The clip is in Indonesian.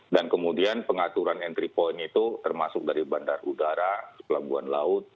dan kemudian pengaturan entry point itu termasuk dari bandar udara pelabuhan laut